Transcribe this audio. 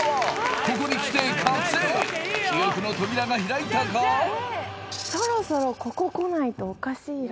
ここにきて覚醒記憶の扉が開いたかそろそろこここないとおかしいよな